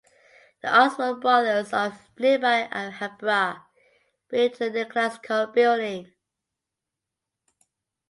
The Oswald Brothers of nearby Alhambra built the Neoclassical building.